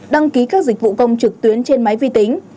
đăng ký các dịch vụ công trực tuyến trên máy vi tính